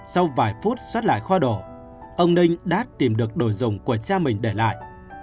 sau vài phút xoát lại kho đồ ông ninh đã tìm được đồ dùng của xe mình để lại